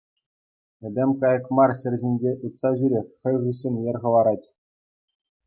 Этем кайӑк мар, ҫӗр ҫинче утса ҫӳрет, хай хыҫҫӑн йӗр хӑварать.